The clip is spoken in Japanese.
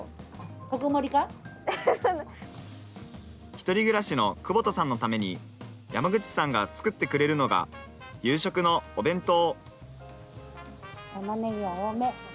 １人暮らしの久保田さんのために山口さんが作ってくれるのが夕食のお弁当。